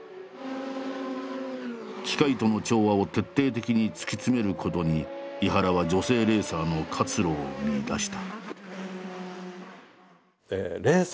機械との調和を徹底的に突き詰めることに井原は女性レーサーの活路を見いだした。